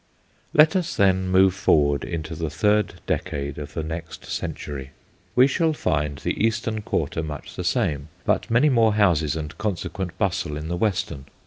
Let us, then, move forward into the third decade of the next century. We shall find 12 THE GHOSTS OF PICCADILLY the eastern quarter much the same, but many more houses and consequent bustle in the western.